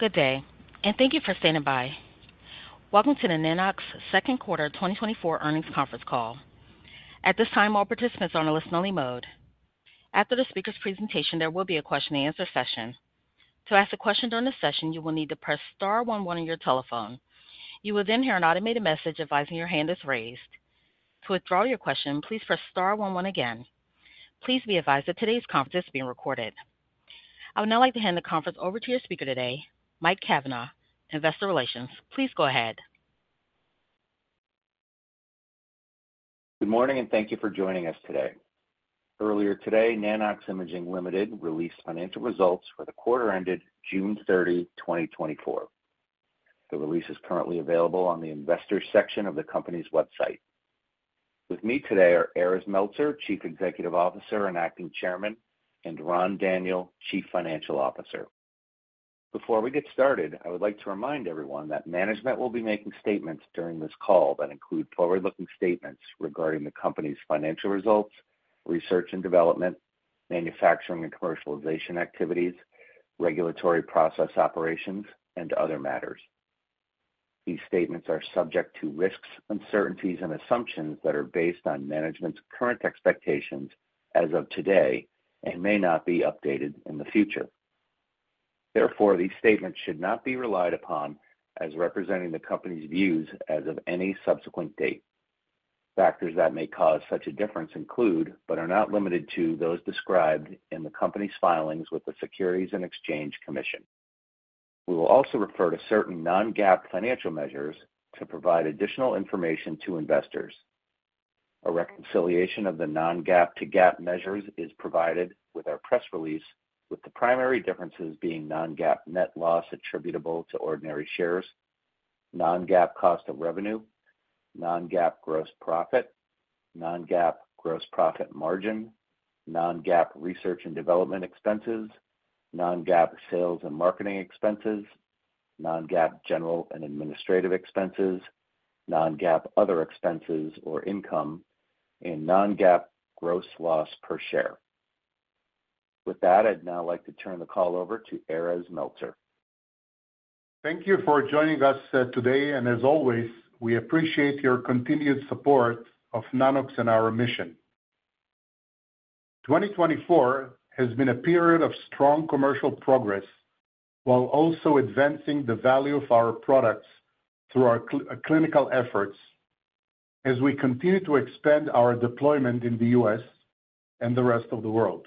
Good day, and thank you for standing by. Welcome to the Nanox second quarter twenty twenty-four earnings conference call. At this time, all participants are on a listen-only mode. After the speaker's presentation, there will be a question-and-answer session. To ask a question during the session, you will need to press star one one on your telephone. You will then hear an automated message advising your hand is raised. To withdraw your question, please press star one one again. Please be advised that today's conference is being recorded. I would now like to hand the conference over to your speaker today, Mike Cavanaugh, Investor Relations. Please go ahead. Good morning, and thank you for joining us today. Earlier today, Nanox Imaging Ltd. released financial results for the quarter ended June thirty, twenty twenty-four. The release is currently available on the investors section of the company's website. With me today are Erez Meltzer, Chief Executive Officer and Acting Chairman, and Ran Daniel, Chief Financial Officer. Before we get started, I would like to remind everyone that management will be making statements during this call that include forward-looking statements regarding the company's financial results, research and development, manufacturing and commercialization activities, regulatory process operations, and other matters. These statements are subject to risks, uncertainties, and assumptions that are based on management's current expectations as of today and may not be updated in the future. Therefore, these statements should not be relied upon as representing the company's views as of any subsequent date. Factors that may cause such a difference include, but are not limited to, those described in the company's filings with the Securities and Exchange Commission. We will also refer to certain non-GAAP financial measures to provide additional information to investors. A reconciliation of the non-GAAP to GAAP measures is provided with our press release, with the primary differences being non-GAAP net loss attributable to ordinary shares, non-GAAP cost of revenue, non-GAAP gross profit, non-GAAP gross profit margin, non-GAAP research and development expenses, non-GAAP sales and marketing expenses, non-GAAP general and administrative expenses, non-GAAP other expenses or income, and non-GAAP gross loss per share. With that, I'd now like to turn the call over to Erez Meltzer. Thank you for joining us, today, and as always, we appreciate your continued support of Nanox and our mission. Twenty twenty-four has been a period of strong commercial progress while also advancing the value of our products through our clinical efforts as we continue to expand our deployment in the U.S. and the rest of the world.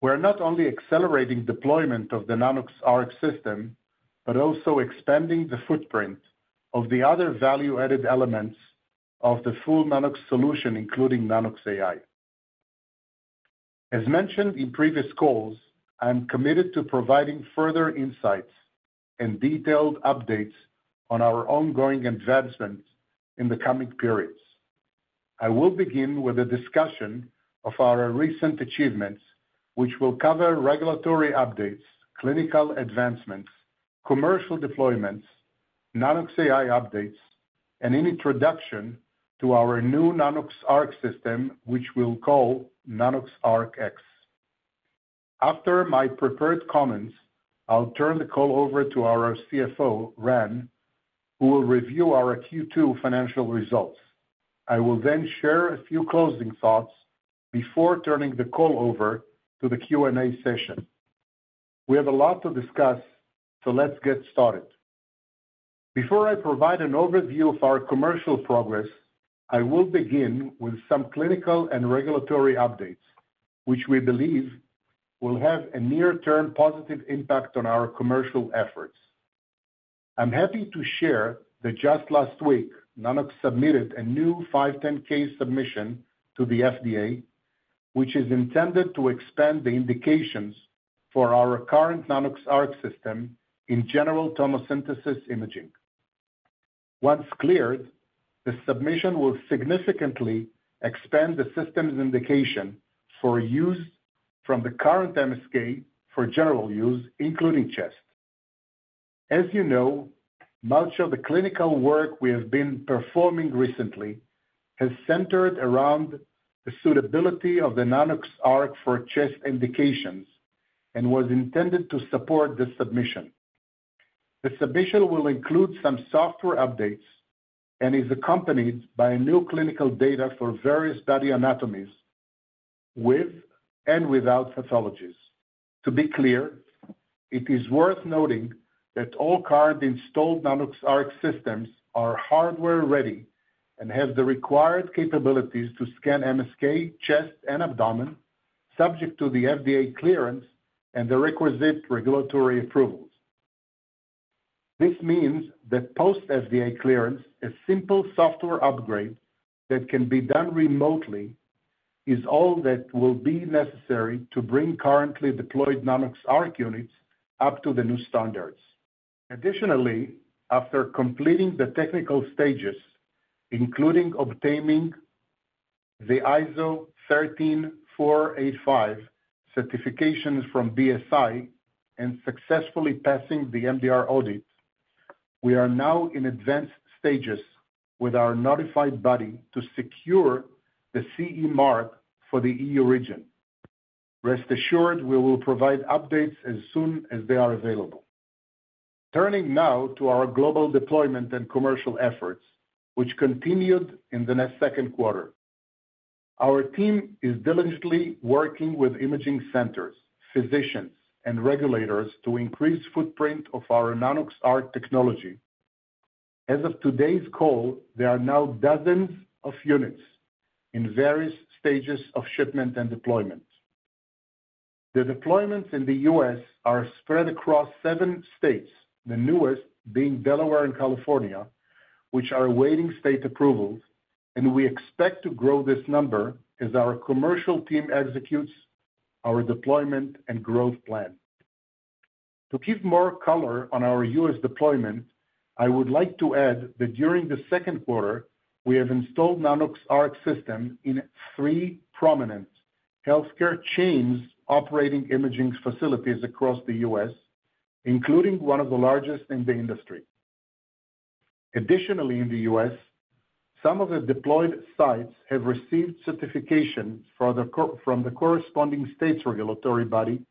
We're not only accelerating deployment of the Nanox.ARC system, but also expanding the footprint of the other value-added elements of the full Nanox solution, including Nanox.AI. As mentioned in previous calls, I'm committed to providing further insights and detailed updates on our ongoing advancements in the coming periods. I will begin with a discussion of our recent achievements, which will cover regulatory updates, clinical advancements, commercial deployments, Nanox.AI updates, and an introduction to our new Nanox.ARC system, which we'll call Nanox.ARC X. After my prepared comments, I'll turn the call over to our CFO, Ran, who will review our Q2 financial results. I will then share a few closing thoughts before turning the call over to the Q&A session. We have a lot to discuss, so let's get started. Before I provide an overview of our commercial progress, I will begin with some clinical and regulatory updates, which we believe will have a near-term positive impact on our commercial efforts. I'm happy to share that just last week, Nanox submitted a new 510(k) submission to the FDA, which is intended to expand the indications for our current Nanox.ARC system in general tomosynthesis imaging. Once cleared, the submission will significantly expand the system's indication for use from the current MSK for general use, including chest. As you know, much of the clinical work we have been performing recently has centered around the suitability of the Nanox.ARC for chest indications and was intended to support this submission. The submission will include some software updates and is accompanied by new clinical data for various study anatomies, with and without pathologies. To be clear, it is worth noting that all current installed Nanox.ARC systems are hardware-ready and have the required capabilities to scan MSK, chest, and abdomen, subject to the FDA clearance and the requisite regulatory approvals. This means that post-FDA clearance, a simple software upgrade that can be done remotely is all that will be necessary to bring currently deployed Nanox.ARC units up to the new standards. Additionally, after completing the technical stages, including obtaining the ISO 13485 certifications from BSI and successfully passing the MDR audit-... We are now in advanced stages with our notified body to secure the CE mark for the EU region. Rest assured, we will provide updates as soon as they are available. Turning now to our global deployment and commercial efforts, which continued in the second quarter. Our team is diligently working with imaging centers, physicians, and regulators to increase footprint of our Nanox.ARC technology. As of today's call, there are now dozens of units in various stages of shipment and deployment. The deployments in the U.S. are spread across seven states, the newest being Delaware and California, which are awaiting state approvals, and we expect to grow this number as our commercial team executes our deployment and growth plan. To give more color on our U.S. deployment, I would like to add that during the second quarter, we have installed Nanox.ARC system in three prominent healthcare chains operating imaging facilities across the U.S., including one of the largest in the industry. Additionally, in the U.S., some of the deployed sites have received certification from the corresponding state's regulatory body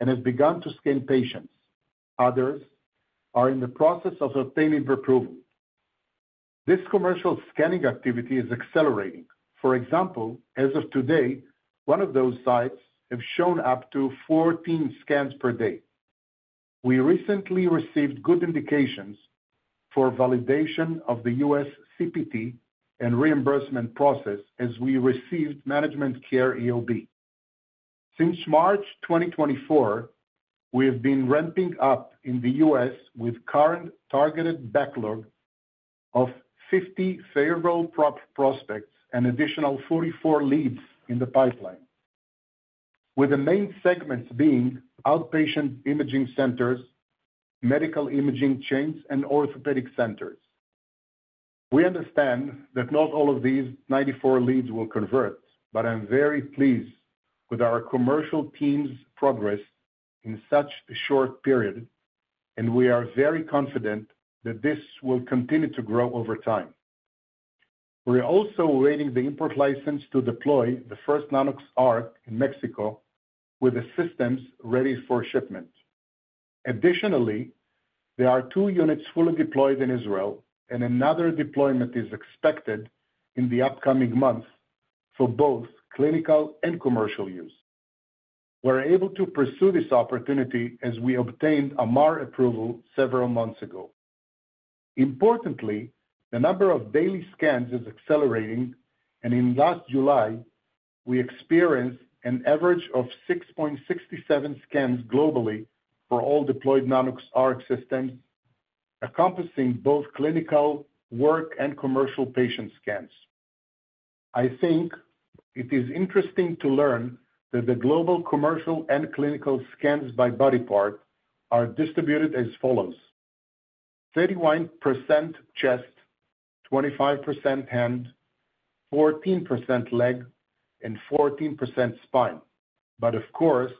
and have begun to scan patients. Others are in the process of obtaining their approval. This commercial scanning activity is accelerating. For example, as of today, one of those sites have shown up to 14 scans per day. We recently received good indications for validation of the U.S. CPT and reimbursement process as we received managed care EOB. Since March 2024, we have been ramping up in the U.S. with current targeted backlog of 50 favorable prospects and additional 44 leads in the pipeline, with the main segments being outpatient imaging centers, medical imaging chains, and orthopedic centers. We understand that not all of these 94 leads will convert, but I'm very pleased with our commercial team's progress in such a short period, and we are very confident that this will continue to grow over time. We're also awaiting the import license to deploy the first Nanox.ARC in Mexico, with the systems ready for shipment. Additionally, there are 2 units fully deployed in Israel, and another deployment is expected in the upcoming months for both clinical and commercial use. We're able to pursue this opportunity as we obtained AMAR approval several months ago. Importantly, the number of daily scans is accelerating, and in last July, we experienced an average of 6.67 scans globally for all deployed Nanox.ARC systems, encompassing both clinical work and commercial patient scans. I think it is interesting to learn that the global commercial and clinical scans by body part are distributed as follows: 31% chest, 25% hand, 14% leg, and 14% spine. But of course,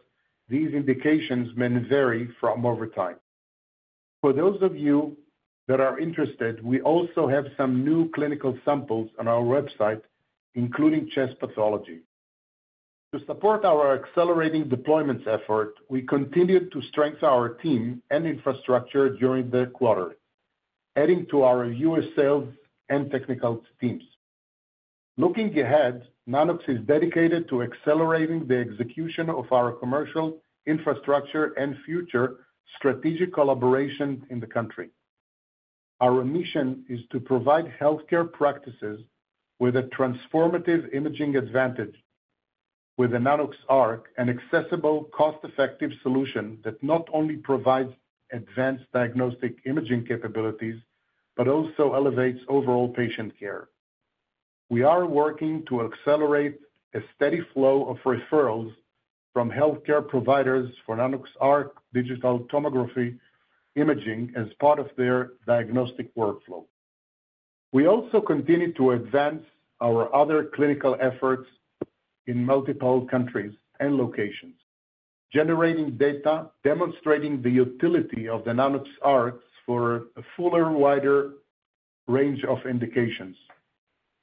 these indications may vary over time. For those of you that are interested, we also have some new clinical samples on our website, including chest pathology. To support our accelerating deployments effort, we continued to strengthen our team and infrastructure during the quarter, adding to our U.S. sales and technical teams. Looking ahead, Nanox is dedicated to accelerating the execution of our commercial infrastructure and future strategic collaboration in the country. Our mission is to provide healthcare practices with a transformative imaging advantage with the Nanox.ARC, an accessible, cost-effective solution that not only provides advanced diagnostic imaging capabilities, but also elevates overall patient care. We are working to accelerate a steady flow of referrals from healthcare providers for Nanox.ARC digital tomography imaging as part of their diagnostic workflow. We also continue to advance our other clinical efforts in multiple countries and locations. Generating data, demonstrating the utility of the Nanox.ARC for a fuller, wider range of indications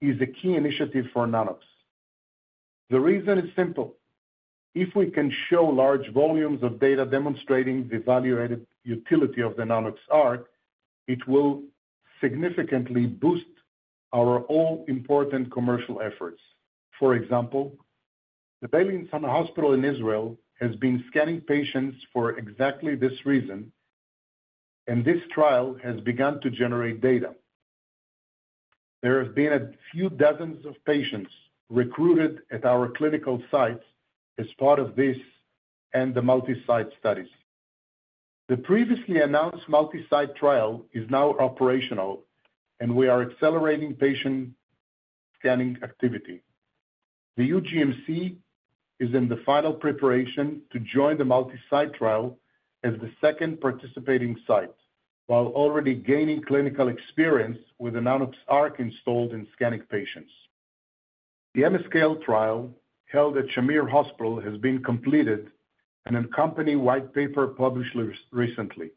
is a key initiative for Nanox. The reason is simple: if we can show large volumes of data demonstrating the evaluated utility of the Nanox.ARC, it will significantly boost our all-important commercial efforts. For example, the Beilinson Hospital in Israel has been scanning patients for exactly this reason, and this trial has begun to generate data. There have been a few dozens of patients recruited at our clinical sites as part of this and the multi-site studies. The previously announced multi-site trial is now operational, and we are accelerating patient scanning activity. The UGMC is in the final preparation to join the multi-site trial as the second participating site, while already gaining clinical experience with the Nanox.ARC installed in scanning patients. The MSK trial held at Shamir Hospital has been completed, and a company-wide paper published recently.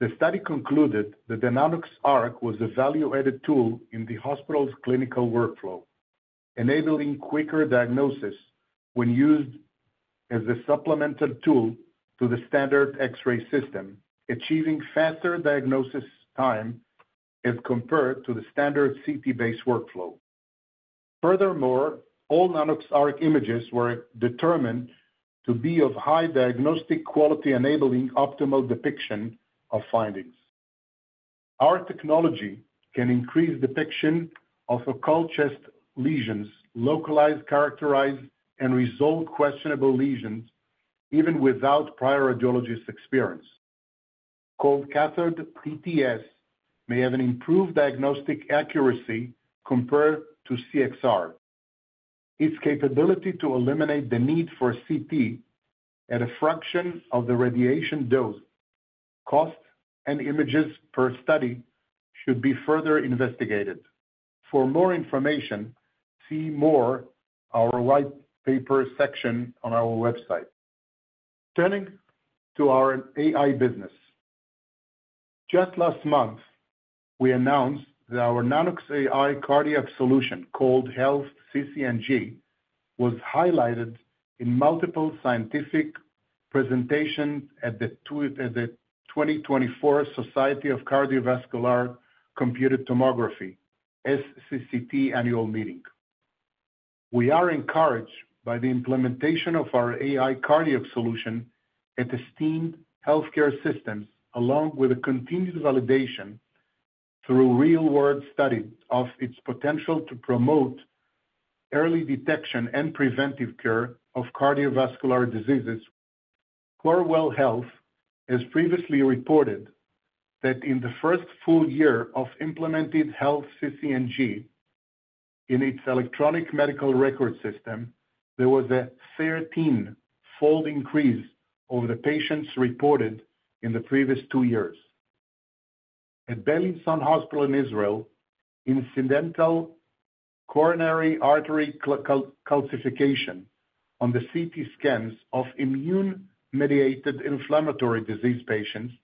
The study concluded that the Nanox.ARC was a value-added tool in the hospital's clinical workflow, enabling quicker diagnosis when used as a supplemental tool to the standard X-ray system, achieving faster diagnosis time as compared to the standard CT-based workflow. Furthermore, all Nanox.ARC images were determined to be of high diagnostic quality, enabling optimal depiction of findings. Our technology can increase depiction of occult chest lesions, localize, characterize, and resolve questionable lesions, even without prior radiologist experience. Cold cathode DTS may have an improved diagnostic accuracy compared to CXR. Its capability to eliminate the need for CT at a fraction of the radiation dose, cost, and images per study, should be further investigated. For more information, see our white paper section on our website. Turning to our AI business. Just last month, we announced that our Nanox.AI cardiac solution, called HealthCCSng, was highlighted in multiple scientific presentations at the twenty twenty-four Society of Cardiovascular Computed Tomography, SCCT Annual Meeting. We are encouraged by the implementation of our AI cardiac solution at esteemed healthcare systems, along with a continued validation through real-world study of its potential to promote early detection and preventive care of cardiovascular diseases. Corewell Health has previously reported that in the first full year of implemented HealthCCSng in its electronic medical record system, there was a thirteen-fold increase over the patients reported in the previous two years. At Beilinson Hospital in Israel, incidental coronary artery calcification on the CT scans of immune-mediated inflammatory disease patients,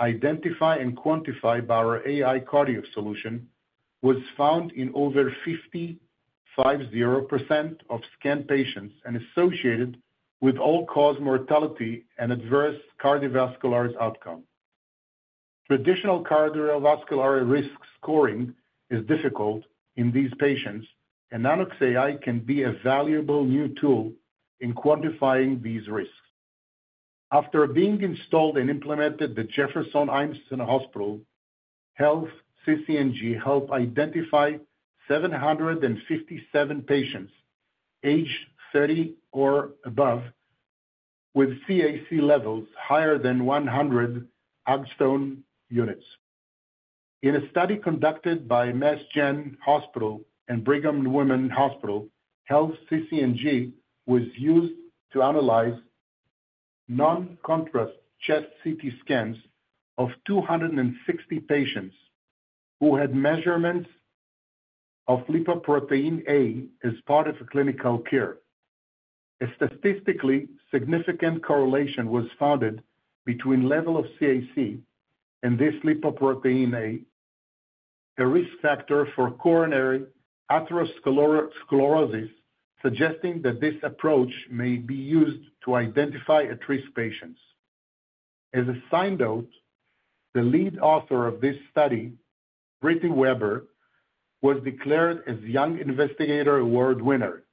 identify and quantify by our AI cardiac solution, was found in over 55% of scanned patients and associated with all-cause mortality and adverse cardiovascular outcome. Traditional cardiovascular risk scoring is difficult in these patients, and Nanox.AI can be a valuable new tool in quantifying these risks. After being installed and implemented, the Jefferson Einstein Hospital HealthCCSng helped identify 757 patients, aged 30 or above, with CAC levels higher than 100 Agatston units. In a study conducted by Mass Gen Hospital and Brigham and Women's Hospital, HealthCCSng was used to analyze non-contrast chest CT scans of 260 patients who had measurements of lipoprotein(a) as part of a clinical care. A statistically significant correlation was found between level of CAC and this lipoprotein(a), a risk factor for coronary atherosclerosis, suggesting that this approach may be used to identify at-risk patients. As a side note, the lead author of this study, Brittany Weber, was declared as Young Investigator Award winner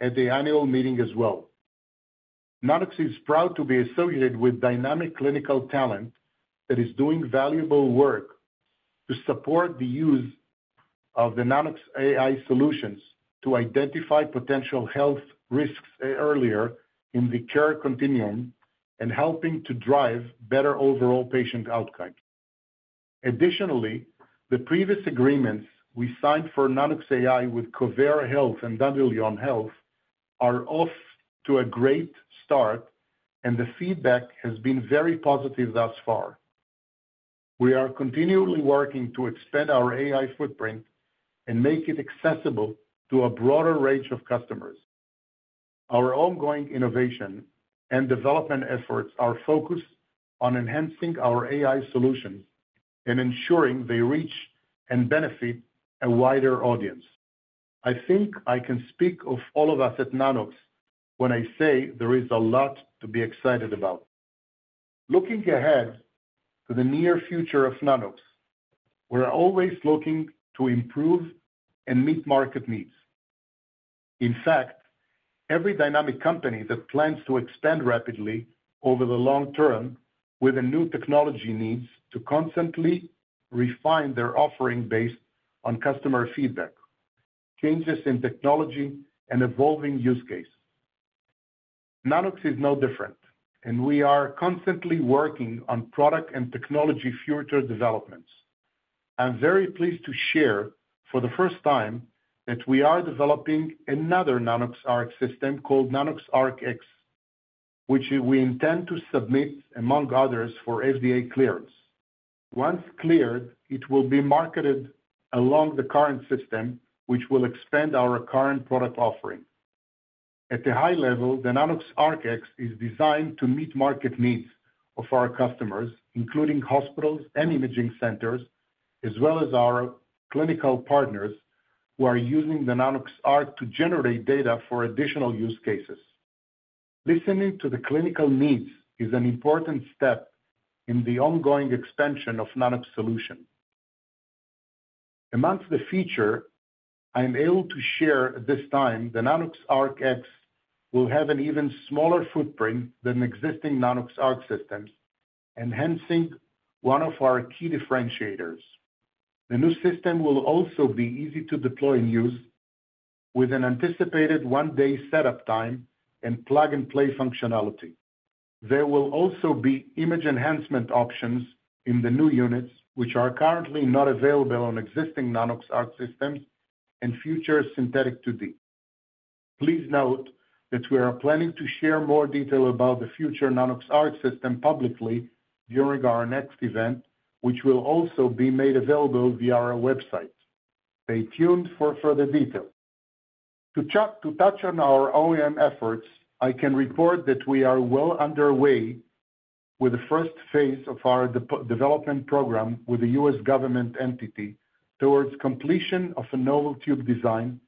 at the annual meeting as well. Nanox is proud to be associated with dynamic clinical talent that is doing valuable work to support the use of the Nanox.AI solutions to identify potential health risks earlier in the care continuum and helping to drive better overall patient outcomes. Additionally, the previous agreements we signed for Nanox.AI with Covera Health and Dandelion Health are off to a great start, and the feedback has been very positive thus far. We are continually working to expand our AI footprint and make it accessible to a broader range of customers. Our ongoing innovation and development efforts are focused on enhancing our AI solutions and ensuring they reach and benefit a wider audience. I think I can speak of all of us at Nanox when I say there is a lot to be excited about. Looking ahead to the near future of Nanox, we're always looking to improve and meet market needs. In fact, every dynamic company that plans to expand rapidly over the long term with a new technology needs to constantly refine their offering based on customer feedback, changes in technology, and evolving use case. Nanox is no different, and we are constantly working on product and technology future developments. I'm very pleased to share, for the first time, that we are developing another Nanox.ARC system called Nanox.ARC X, which we intend to submit, among others, for FDA clearance. Once cleared, it will be marketed along the current system, which will expand our current product offering. At a high level, the Nanox.ARC X is designed to meet market needs of our customers, including hospitals and imaging centers, as well as our clinical partners, who are using the Nanox.ARC to generate data for additional use cases. Listening to the clinical needs is an important step in the ongoing expansion of Nanox solution. Amongst the feature I'm able to share at this time, the Nanox.ARC X will have an even smaller footprint than existing Nanox.ARC systems, enhancing one of our key differentiators. The new system will also be easy to deploy and use, with an anticipated one-day setup time and plug-and-play functionality. There will also be image enhancement options in the new units, which are currently not available on existing Nanox.ARC systems and future synthetic 2D. Please note that we are planning to share more detail about the future Nanox.ARC system publicly during our next event, which will also be made available via our website. Stay tuned for further details. To touch on our OEM efforts, I can report that we are well underway with the first phase of our development program with the U.S. Government entity, towards completion of a novel tube design,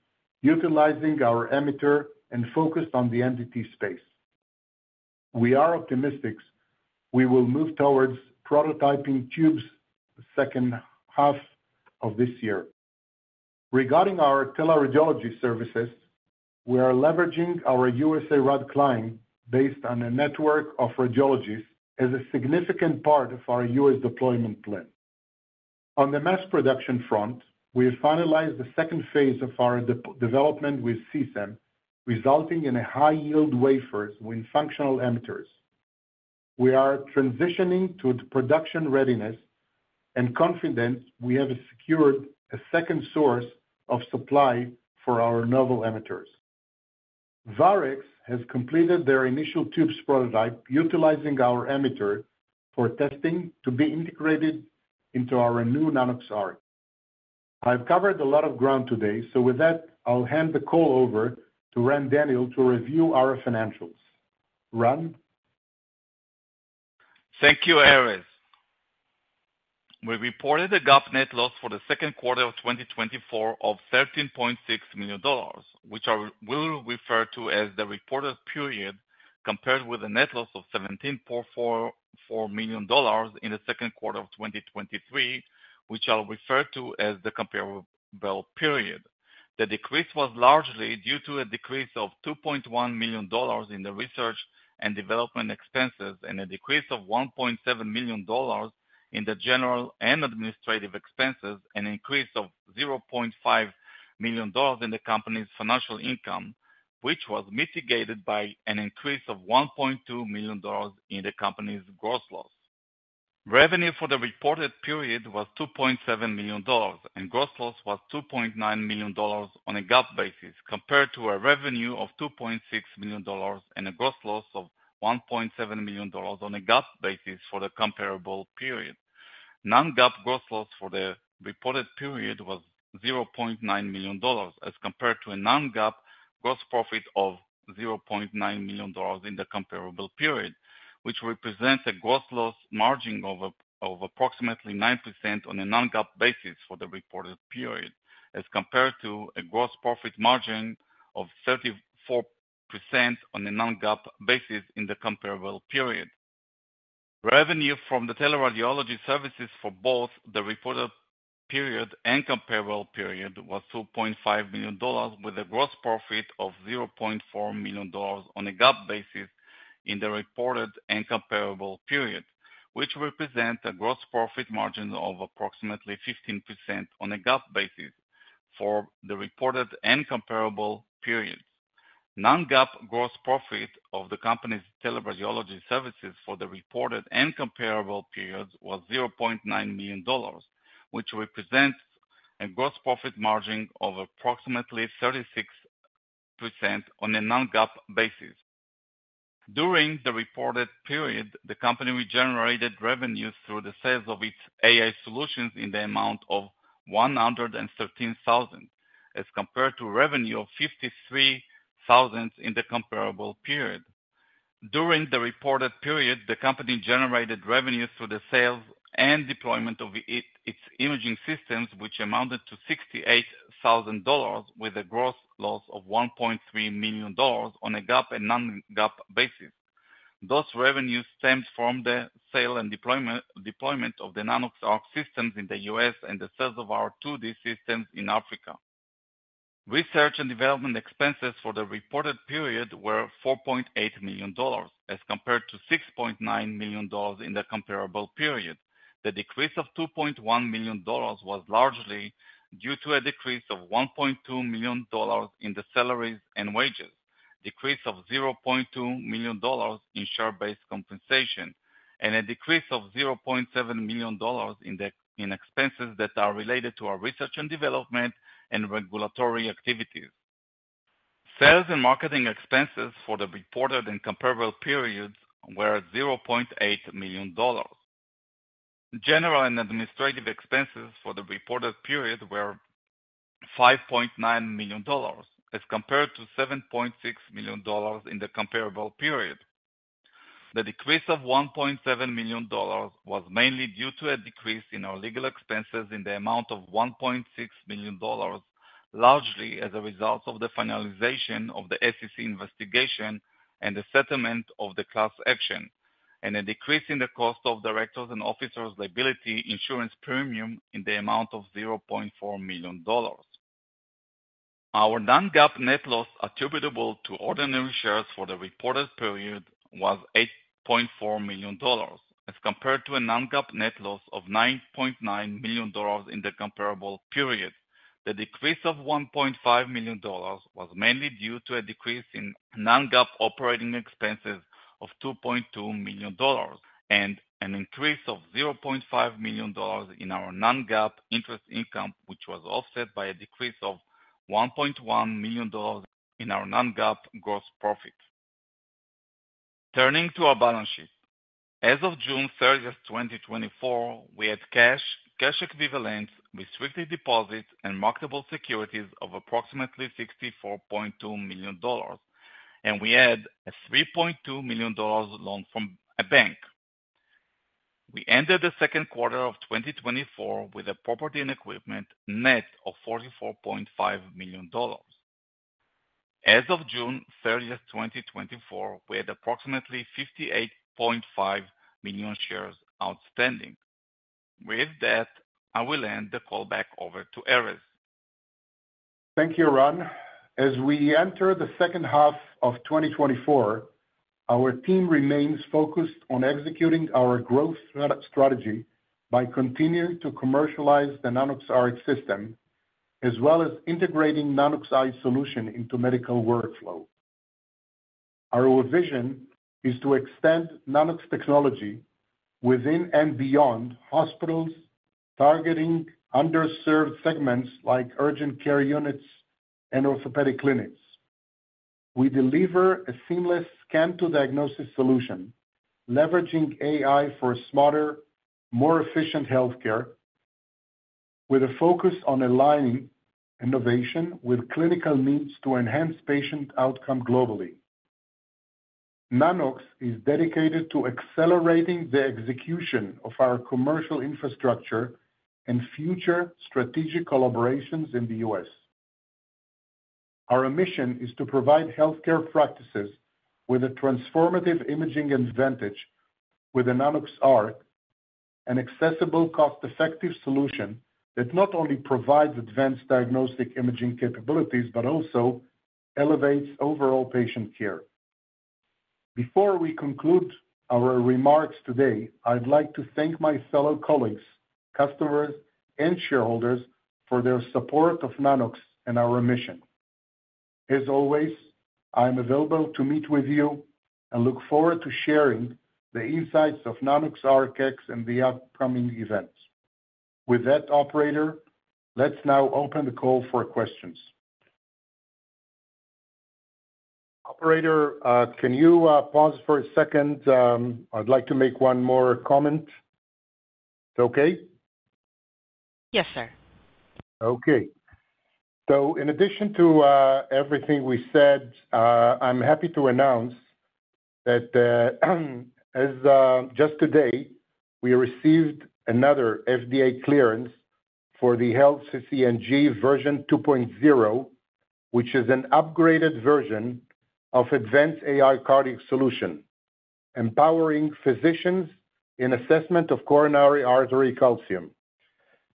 utilizing our emitter and focused on the entity space. We are optimistic we will move towards prototyping tubes the second half of this year. Regarding our teleradiology services, we are leveraging our USARAD client base on a network of radiologists, as a significant part of our US deployment plan. On the mass production front, we have finalized the second phase of our development with CSEM, resulting in high-yield wafers with functional emitters. We are transitioning to production readiness and confident we have secured a second source of supply for our novel emitters. Varex has completed their initial tubes prototype, utilizing our emitter for testing to be integrated into our new Nanox.ARC. I've covered a lot of ground today, so with that, I'll hand the call over to Ran Daniel to review our financials. Ran? Thank you, Erez. We reported a GAAP net loss for the second quarter of 2024 of $13.6 million, which I will refer to as the reported period, compared with a net loss of $17.44 million in the second quarter of 2023, which I'll refer to as the comparable period. The decrease was largely due to a decrease of $2.1 million in the research and development expenses, and a decrease of $1.7 million in the general and administrative expenses, an increase of $0.5 million in the company's financial income, which was mitigated by an increase of $1.2 million in the company's gross loss. Revenue for the reported period was $2.7 million, and gross loss was $2.9 million on a GAAP basis, compared to a revenue of $2.6 million and a gross loss of $1.7 million on a GAAP basis for the comparable period. Non-GAAP gross loss for the reported period was $0.9 million, as compared to a non-GAAP gross profit of $0.9 million in the comparable period, which represents a gross loss margin of approximately 9% on a non-GAAP basis for the reported period, as compared to a gross profit margin of 34% on a non-GAAP basis in the comparable period. Revenue from the teleradiology services for both the reported period and comparable period was $2.5 million, with a gross profit of $0.4 million on a GAAP basis in the reported and comparable period, which represents a gross profit margin of approximately 15% on a GAAP basis for the reported and comparable periods. Non-GAAP gross profit of the company's teleradiology services for the reported and comparable periods was $0.9 million, which represents a gross profit margin of approximately 36% on a non-GAAP basis. During the reported period, the company generated revenues through the sales of its AI solutions in the amount of $113,000, as compared to revenue of $53,000 in the comparable period. During the reported period, the company generated revenues through the sales and deployment of its imaging systems, which amounted to $68,000, with a gross loss of $1.3 million on a GAAP and non-GAAP basis. Those revenues stems from the sale and deployment of the Nanox.ARC systems in the U.S. and the sales of our 2D systems in Africa. Research and development expenses for the reported period were $4.8 million, as compared to $6.9 million in the comparable period. The decrease of $2.1 million was largely due to a decrease of $1.2 million in the salaries and wages, decrease of $0.2 million in share-based compensation... And a decrease of $0.7 million in expenses that are related to our research and development and regulatory activities. Sales and marketing expenses for the reported and comparable periods were $0.8 million. General and administrative expenses for the reported period were $5.9 million, as compared to $7.6 million in the comparable period. The decrease of $1.7 million was mainly due to a decrease in our legal expenses in the amount of $1.6 million, largely as a result of the finalization of the SEC investigation and the settlement of the class action, and a decrease in the cost of directors' and officers' liability insurance premium in the amount of $0.4 million. Our non-GAAP net loss attributable to ordinary shares for the reported period was $8.4 million, as compared to a non-GAAP net loss of $9.9 million in the comparable period. The decrease of $1.5 million was mainly due to a decrease in non-GAAP operating expenses of $2.2 million, and an increase of $0.5 million in our non-GAAP interest income, which was offset by a decrease of $1.1 million in our non-GAAP gross profit. Turning to our balance sheet. As of June 30, 2024, we had cash, cash equivalents, restricted deposits, and marketable securities of approximately $64.2 million, and we had a $3.2 million loan from a bank. We ended the second quarter of 2024 with property and equipment, net, of $44.5 million. As of June 30, 2024, we had approximately 58.5 million shares outstanding. With that, I will hand the call back over to Erez. Thank you, Ran. As we enter the second half of twenty twenty-four, our team remains focused on executing our growth strategy by continuing to commercialize the Nanox.ARC system, as well as integrating Nanox.AI solution into medical workflow. Our vision is to extend Nanox technology within and beyond hospitals, targeting underserved segments like urgent care units and orthopedic clinics. We deliver a seamless scan-to-diagnosis solution, leveraging AI for smarter, more efficient healthcare, with a focus on aligning innovation with clinical needs to enhance patient outcome globally. Nanox is dedicated to accelerating the execution of our commercial infrastructure and future strategic collaborations in the US. Our mission is to provide healthcare practices with a transformative imaging advantage with the Nanox.ARC, an accessible, cost-effective solution that not only provides advanced diagnostic imaging capabilities, but also elevates overall patient care. Before we conclude our remarks today, I'd like to thank my fellow colleagues, customers, and shareholders for their support of Nanox and our mission. As always, I'm available to meet with you and look forward to sharing the insights of Nanox.ARC X in the upcoming events. With that, operator, let's now open the call for questions. Operator, can you pause for a second? I'd like to make one more comment. It's okay? Yes, sir. Okay. So in addition to everything we said, I'm happy to announce that as just today, we received another FDA clearance for the HealthCCSng version 2.0, which is an upgraded version of advanced AI cardiac solution, empowering physicians in assessment of coronary artery calcium.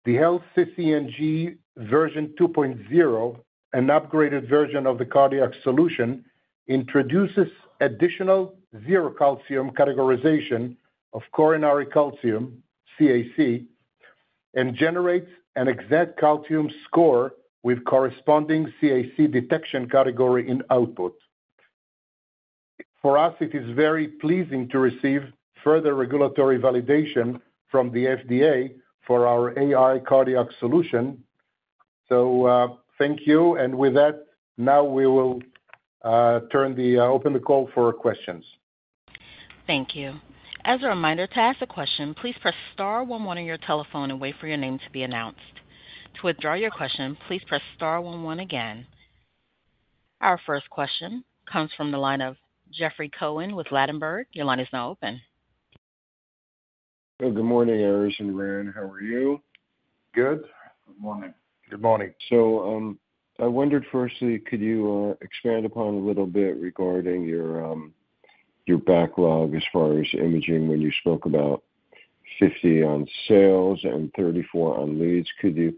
The HealthCCSng version 2.0, an upgraded version of the cardiac solution, introduces additional zero calcium categorization of coronary calcium, CAC, and generates an exact calcium score with corresponding CAC detection category in output. For us, it is very pleasing to receive further regulatory validation from the FDA for our AI cardiac solution. So, thank you, and with that, now we will open the call for questions. Thank you. As a reminder, to ask a question, please press star one one on your telephone and wait for your name to be announced. To withdraw your question, please press star one one again. Our first question comes from the line of Jeffrey Cohen with Ladenburg Thalmann. Your line is now open. Good morning, Erez and Ran. How are you? Good. Good morning. Good morning. I wondered, firstly, could you expand upon a little bit regarding your backlog as far as imaging, when you spoke about 50 on sales and 34 on leads? Could you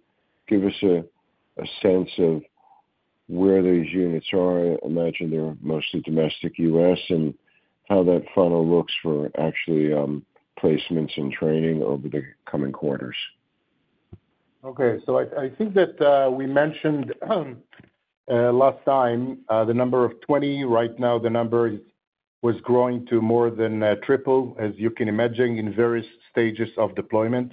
give us a sense of where these units are? I imagine they're mostly domestic U.S., and how that funnel looks for actually placements and training over the coming quarters. Okay, so I think that we mentioned last time the number of twenty. Right now, the number is was growing to more than triple, as you can imagine, in various stages of deployment.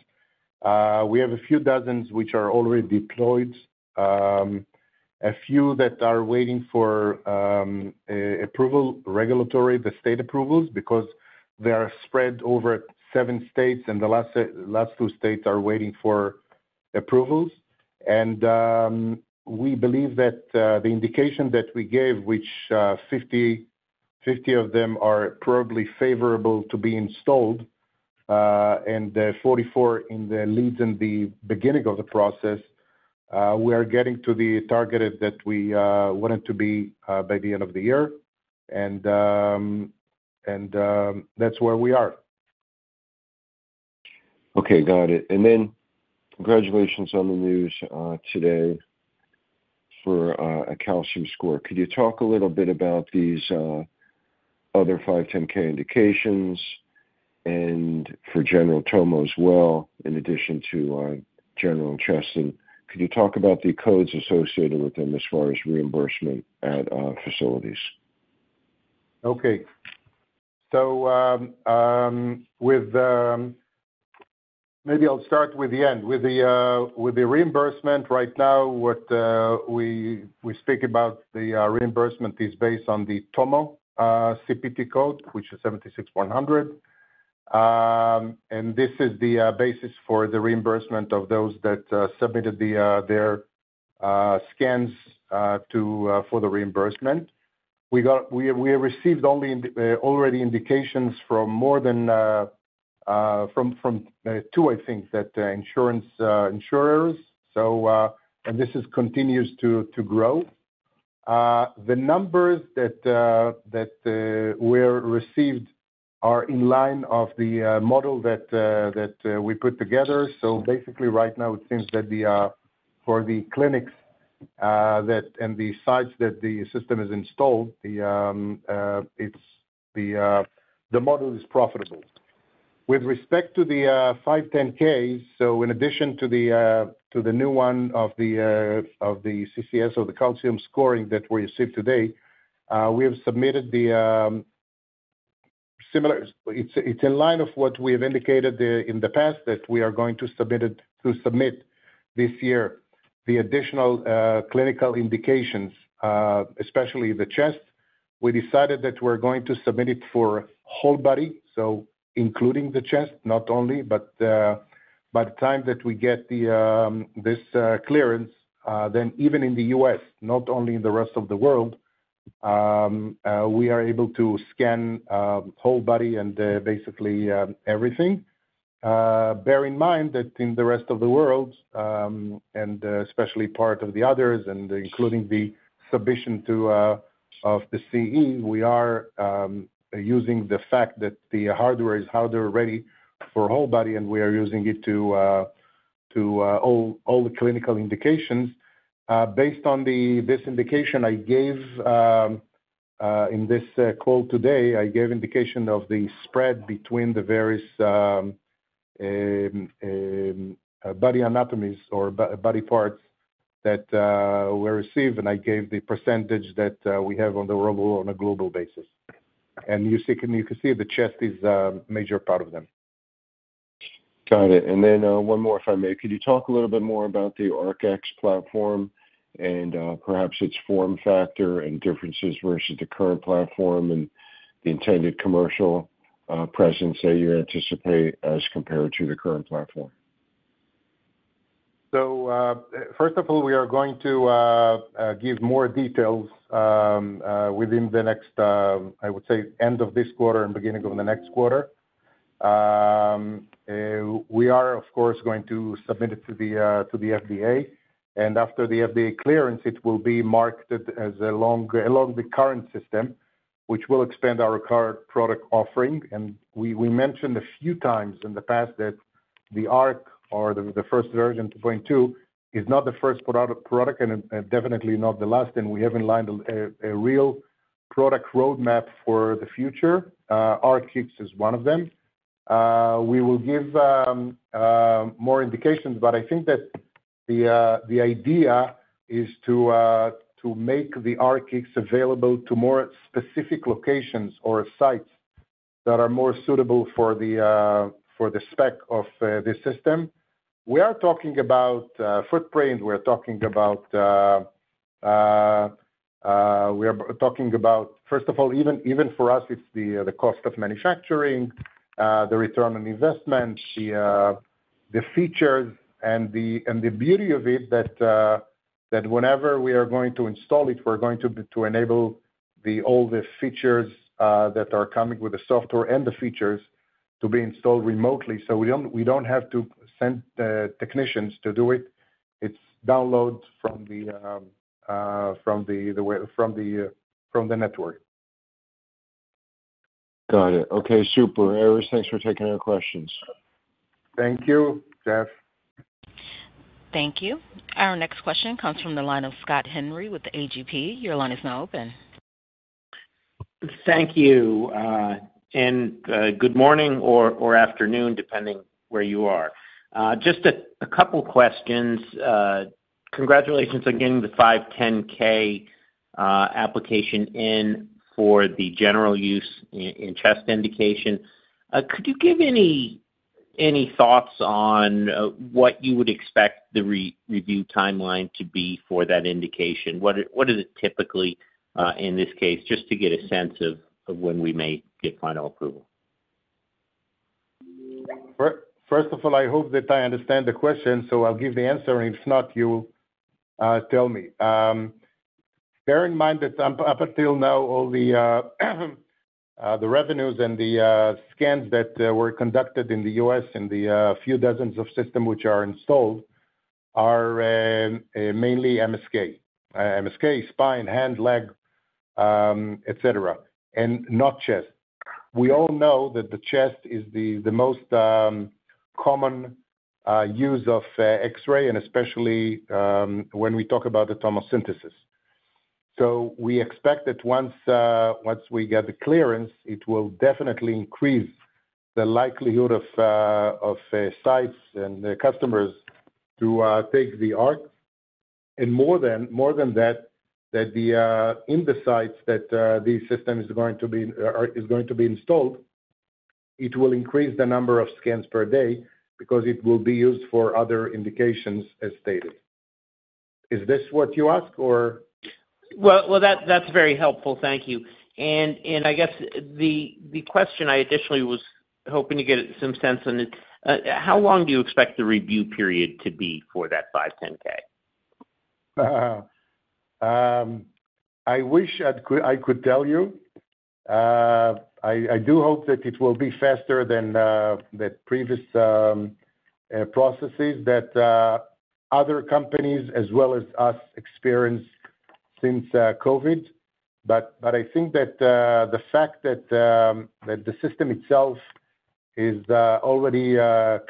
We have a few dozens which are already deployed. A few that are waiting for approval, regulatory, the state approvals, because they are spread over seven states, and the last two states are waiting for approvals. And we believe that the indication that we gave, which fifty of them are probably favorable to be installed, and forty-four in the leads in the beginning of the process, we are getting to the target that we wanted to be by the end of the year, and that's where we are. Okay, got it. And then congratulations on the news today for a calcium score. Could you talk a little bit about these other 510(k) indications, and for general tomo as well, in addition to general chest? And could you talk about the codes associated with them as far as reimbursement at facilities? Okay. Maybe I'll start with the end. With the reimbursement right now, what we speak about the reimbursement is based on the tomo CPT code, which is 76100. And this is the basis for the reimbursement of those that submitted their scans for the reimbursement. We have already received indications from more than two, I think, insurance insurers. And this continues to grow. The numbers that were received are in line with the model that we put together. So basically right now, it seems that for the clinics that and the sites that the system is installed, the model is profitable. With respect to the 510(k), so in addition to the new one of the CCS or the calcium scoring that we received today, we have submitted the similar. It's in line of what we have indicated in the past, that we are going to submit this year, the additional clinical indications, especially the chest. We decided that we're going to submit it for whole body, so including the chest, not only, but by the time that we get the this clearance, then even in the U.S., not only in the rest of the world, we are able to scan whole body and basically everything. Bear in mind that in the rest of the world, and especially part of the others, and including the submission to of the CE, we are using the fact that the hardware is hardware ready for whole body, and we are using it to to all all the clinical indications. Based on this indication I gave in this call today, I gave indication of the spread between the various body anatomies or body parts that were received, and I gave the percentage that we have on the world, on a global basis, and you see, can you see the chest is a major part of them. Got it. And then, one more, if I may. Could you talk a little bit more about the Nanox.ARC X platform and, perhaps its form factor and differences versus the current platform and the intended commercial, presence that you anticipate as compared to the current platform? First of all, we are going to give more details within the next, I would say, end of this quarter and beginning of the next quarter. We are, of course, going to submit it to the FDA. And after the FDA clearance, it will be marketed along the current system, which will expand our current product offering. And we mentioned a few times in the past that the ARC or the first version, 2.2, is not the first product, and definitely not the last. And we have in line a real product roadmap for the future. ARC X is one of them. We will give more indications, but I think that the idea is to make the Nanox.ARC X available to more specific locations or sites that are more suitable for the spec of this system. We are talking about footprint. We're talking about, first of all, even for us, it's the cost of manufacturing, the return on investment, the features and the beauty of it, that whenever we are going to install it, we're going to enable the older features that are coming with the software and the features to be installed remotely. So we don't, we don't have to send technicians to do it. It's downloads from the network. Got it. Okay, super. Erez, thanks for taking our questions. Thank you, Jeff. Thank you. Our next question comes from the line of Scott Henry with AGP. Your line is now open.... Thank you, and good morning or afternoon, depending where you are. Just a couple questions. Congratulations on getting the 510(k) application in for the general use in chest indication. Could you give any thoughts on what you would expect the review timeline to be for that indication? What is it typically in this case, just to get a sense of when we may get final approval? First of all, I hope that I understand the question, so I'll give the answer, and if not, you tell me. Bear in mind that up until now, all the revenues and the scans that were conducted in the U.S. and the few dozens of system which are installed are mainly MSK. MSK, spine, hand, leg, et cetera, and not chest. We all know that the chest is the most common use of X-ray, and especially when we talk about the tomosynthesis. So we expect that once we get the clearance, it will definitely increase the likelihood of sites and the customers to take the ARC. More than that, in the sites that the system is going to be installed, it will increase the number of scans per day because it will be used for other indications, as stated. Is this what you ask or? That's very helpful. Thank you. I guess the question I additionally was hoping to get some sense on is how long do you expect the review period to be for that 510(k)? I wish I could tell you. I do hope that it will be faster than the previous processes that other companies, as well as us, experienced since COVID. But I think that the fact that the system itself is already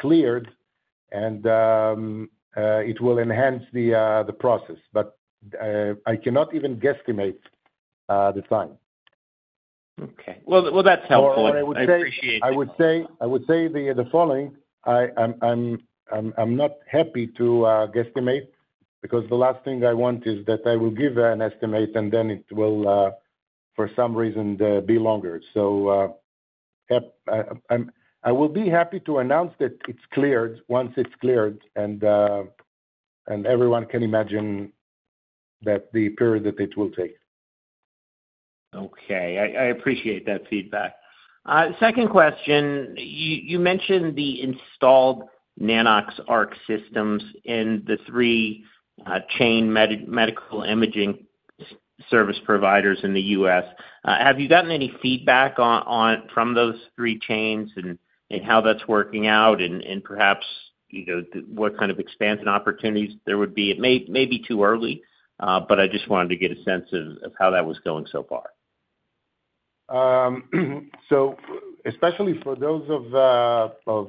cleared and it will enhance the process. But I cannot even guesstimate the time. Okay. Well, that's helpful. Or I would say. I appreciate that. I would say the following: I'm not happy to guesstimate because the last thing I want is that I will give an estimate, and then it will, for some reason, be longer. So, yep, I will be happy to announce that it's cleared once it's cleared, and everyone can imagine that the period that it will take. Okay, I appreciate that feedback. Second question, you mentioned the installed Nanox.ARC systems in the three chain medical imaging service providers in the US. Have you gotten any feedback from those three chains and how that's working out, and perhaps, you know, what kind of expansion opportunities there would be? It may be too early, but I just wanted to get a sense of how that was going so far. So especially for those of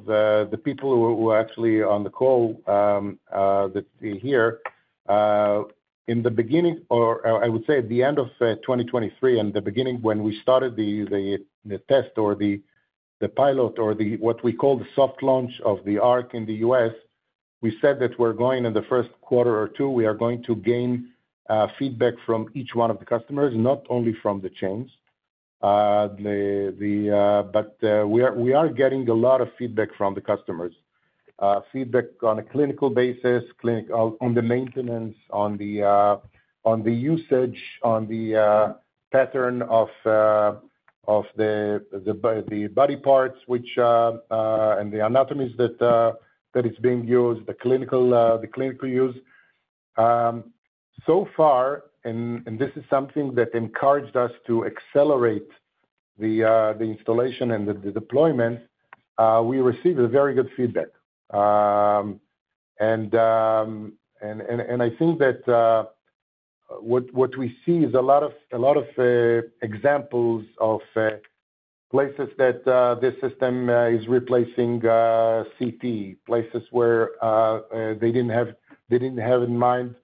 the people who are actually on the call that are here in the beginning, or I would say at the end of 2023 and the beginning when we started the test or the pilot or what we call the soft launch of the ARC in the U.S., we said that we're going in the first quarter or two. We are going to gain feedback from each one of the customers, not only from the chains, but we are getting a lot of feedback from the customers. Feedback on a clinical basis on the maintenance on the usage on the pattern of the body parts and the anatomies that is being used, the clinical use. So far, this is something that encouraged us to accelerate the installation and the deployment. We received a very good feedback, and I think that what we see is a lot of examples of places that this system is replacing CT. Places where they didn't have in mind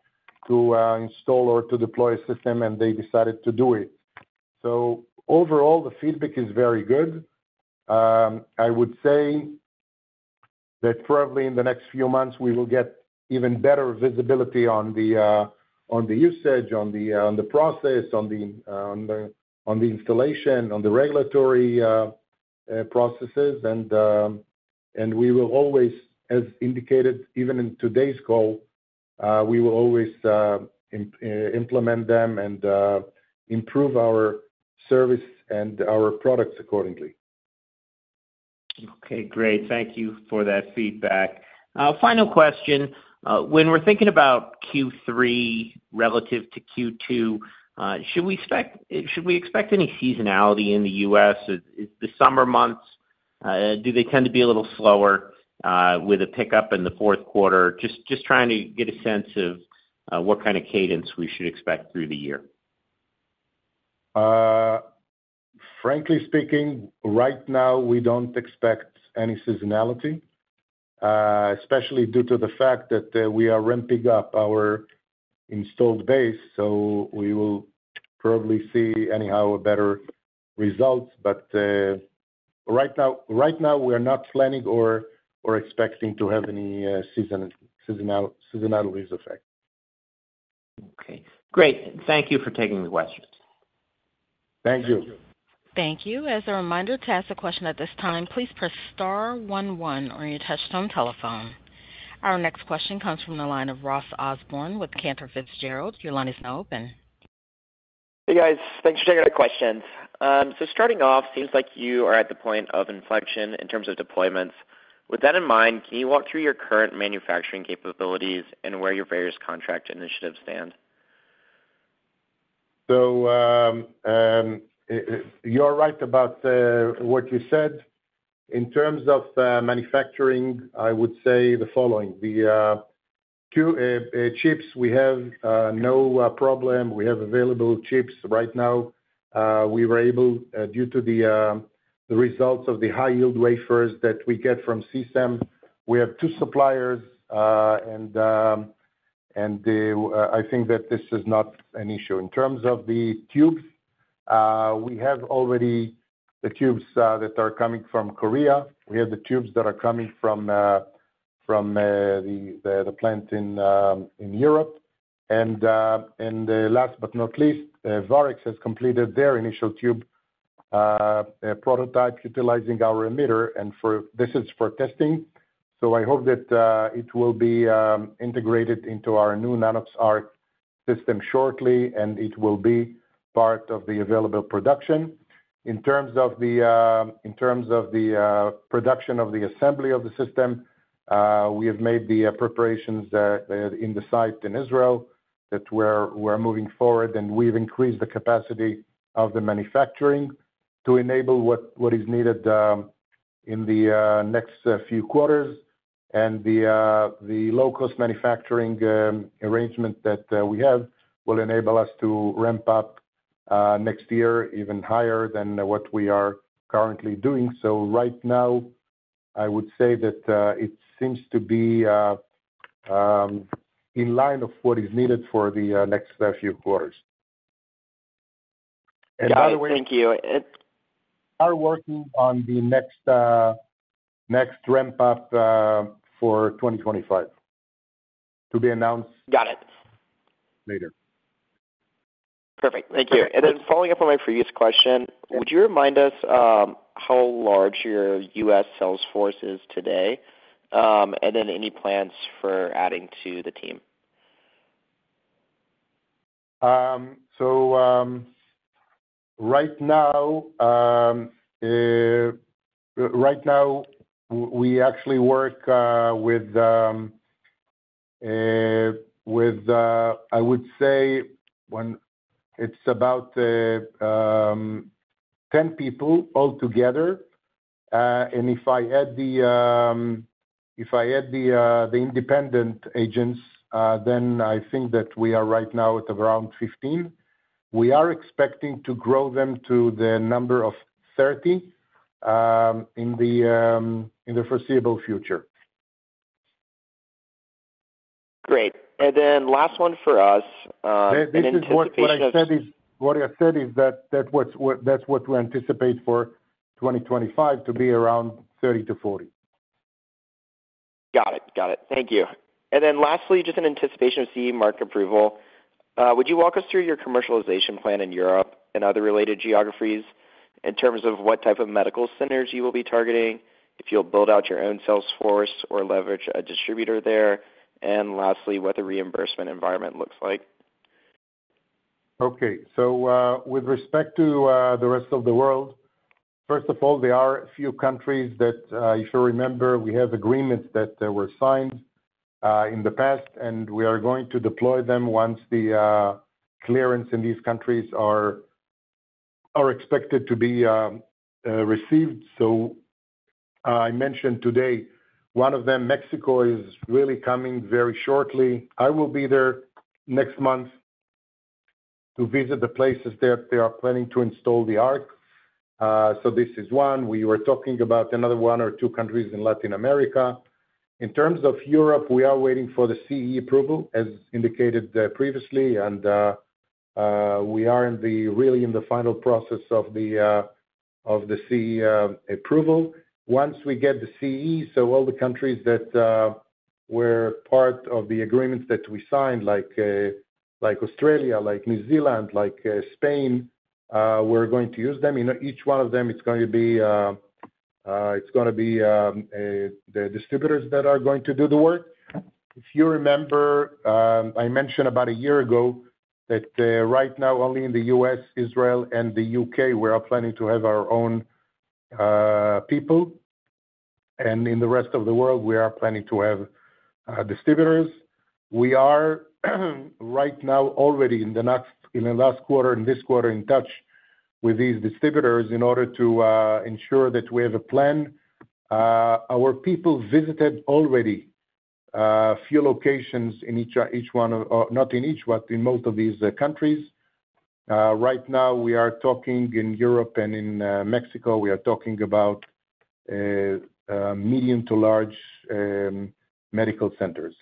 to install or to deploy a system, and they decided to do it. So overall, the feedback is very good. I would say that probably in the next few months, we will get even better visibility on the usage, on the process, on the installation, on the regulatory processes. We will always, as indicated even in today's call, implement them and improve our service and our products accordingly. Okay, great. Thank you for that feedback. Final question: when we're thinking about Q3 relative to Q2, should we expect... should we expect any seasonality in the U.S.? Is the summer months, do they tend to be a little slower, with a pickup in the fourth quarter? Just trying to get a sense of, what kind of cadence we should expect through the year. Frankly speaking, right now, we don't expect any seasonality, especially due to the fact that we are ramping up our installed base, so we will probably see anyhow better results. But right now, right now, we are not planning or expecting to have any seasonality effect. Okay, great. Thank you for taking the questions. Thank you. Thank you. As a reminder, to ask a question at this time, please press star one one on your touchtone telephone. Our next question comes from the line of Ross Osborn with Cantor Fitzgerald. Your line is now open. Hey, guys. Thanks for taking our questions, so starting off, seems like you are at the point of inflection in terms of deployments. With that in mind, can you walk through your current manufacturing capabilities and where your various contract initiatives stand? So, you're right about what you said. In terms of manufacturing, I would say the following: the two chips, we have no problem. We have available chips right now. We were able due to the results of the high-yield wafers that we get from CSEM. We have two suppliers, and I think that this is not an issue. In terms of the tubes, we have already the tubes that are coming from Korea. We have the tubes that are coming from the plant in Europe. And last but not least, Varex has completed their initial tube prototype utilizing our emitter, and this is for testing. So I hope that it will be integrated into our new Nanox.ARC system shortly, and it will be part of the available production. In terms of the production of the assembly of the system, we have made the preparations in the site in Israel that we're moving forward, and we've increased the capacity of the manufacturing to enable what is needed in the next few quarters. And the low-cost manufacturing arrangement that we have will enable us to ramp up next year even higher than what we are currently doing. So right now, I would say that it seems to be in line of what is needed for the next few quarters. Thank you. Are working on the next ramp up for twenty twenty-five, to be announced- Got it. Later. Perfect. Thank you. And then following up on my previous question, would you remind us, how large your U.S. sales force is today, and then any plans for adding to the team? So, right now we actually work with, I would say, it's about 10 people all together. And if I add the independent agents, then I think that we are right now at around 15. We are expecting to grow them to the number of 30 in the foreseeable future. Great. And then last one for us, This is what I said is that that's what we anticipate for 2025, to be around 30 to 40. Got it. Got it. Thank you. And then lastly, just in anticipation of CE mark approval, would you walk us through your commercialization plan in Europe and other related geographies in terms of what type of medical centers you will be targeting, if you'll build out your own sales force or leverage a distributor there, and lastly, what the reimbursement environment looks like? Okay. So, with respect to the rest of the world, first of all, there are a few countries that, if you remember, we have agreements that were signed in the past, and we are going to deploy them once the clearance in these countries are expected to be received. So, I mentioned today, one of them, Mexico, is really coming very shortly. I will be there next month to visit the places that they are planning to install the ARC. So this is one. We were talking about another one or two countries in Latin America. In terms of Europe, we are waiting for the CE approval, as indicated previously, and we are really in the final process of the CE approval. Once we get the CE, so all the countries that were part of the agreements that we signed, like, like Australia, like New Zealand, like, Spain, we're going to use them. In each one of them, it's gonna be the distributors that are going to do the work. If you remember, I mentioned about a year ago that, right now, only in the U.S., Israel, and the U.K., we are planning to have our own people, and in the rest of the world, we are planning to have distributors. We are, right now already in the last quarter and this quarter, in touch with these distributors in order to ensure that we have a plan. Our people visited already a few locations in each one of... Not in each, but in most of these countries. Right now we are talking in Europe and in Mexico, we are talking about medium to large medical centers.